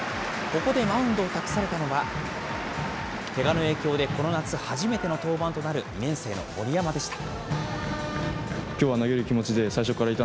ここでマウンドを託されたのは、けがの影響でこの夏、初めての登板となる２年生の森山でした。